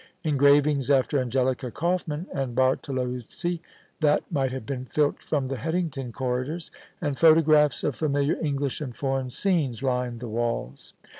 Engravings after Angelica Kauffmann and Bartolozzi, that might have been filched from the Headington corridors, and photographs of familiar English and foreign scenes, lined the walls.